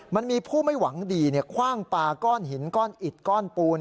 มันมีผู้ไม่หวังดีคว่างปลาก้อนหินก้อนอิดก้อนปูน